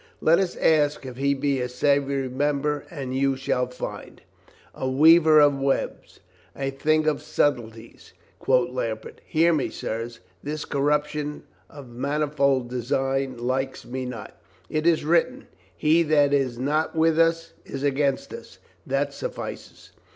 Let us ask if he be a savory member and you shall find —" "A weaver of webs, a thing of subtleties," quoth Lambert. "Hear me, sirs. This corruption of man ifold designs likes me not. It is written : 'He that is not with us, is against us.' That suffices."